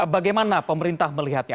bagaimana pemerintah melihatnya